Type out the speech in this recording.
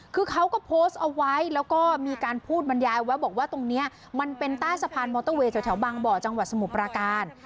คือเขาก็โพสต์เอาไว้แล้วก็มีการพูดบรรยายไว้บอกว่าตรงนี้มันเป็นใต้สะพานมอเตอร์เวย์แถวบางบ่อจังหวัดสมุทรปราการ